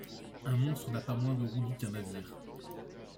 Un monstre n'a pas moins de roulis qu'un navire ;